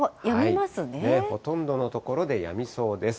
ほとんどの所でやみそうです。